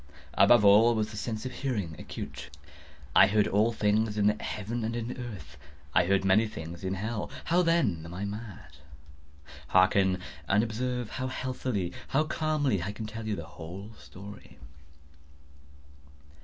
Above all was the sense of hearing acute. I heard all things in the heaven and in the earth. I heard many things in hell. How, then, am I mad? Hearken! and observe how healthily—how calmly I can tell you the whole story.